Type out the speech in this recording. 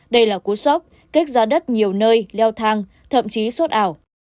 đây là cú sóc kích giá đất nhiều nơi leo thang thậm chí xốt ảo